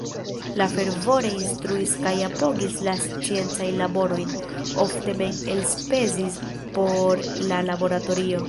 Li fervore instruis kaj apogis la sciencajn laborojn, ofte mem elspezis por la laboratorio.